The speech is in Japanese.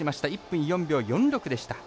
１分４秒４６でした。